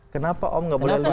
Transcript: kenapa om gak boleh lupa